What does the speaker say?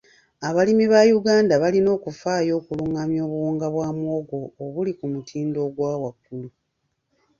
Abalimi ba Uganda balina okufaayo okufulumya obuwunga bwa muwogo obuli ku mutindo ogwa waggulu.